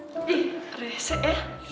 ih resek ya